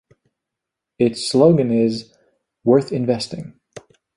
Its slogan is "worth investing".